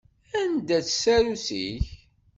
Anda-tt tsarut-ik?